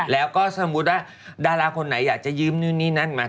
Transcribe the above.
แล้วก็สมมุติว่าดาราคนไหนอยากจะยืมนู่นนี่นั่นมา